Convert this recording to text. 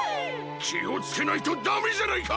きをつけないとダメじゃないか！